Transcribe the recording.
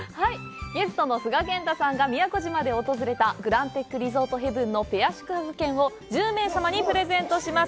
ゲストの須賀健太さんが宮古島で訪れたグランテックリゾートヘブンのペア宿泊券を１０名様にプレゼントします。